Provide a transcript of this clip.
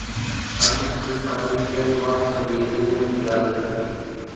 اڄ پيپلز پارٽي ڪهڙي وات ذريعي جمهوريت جي ڳالهه ڪري ٿي؟